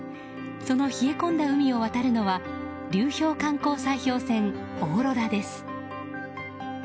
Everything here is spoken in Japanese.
その冷え込んだ海を渡るのは流氷観光砕氷船「おーろら」です。